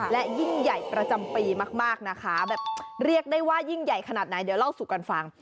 และยิ่งใหญ่ประจำปีมากนะคะแบบเรียกได้ว่ายิ่งใหญ่ขนาดไหนเดี๋ยวเล่าสู่กันฟัง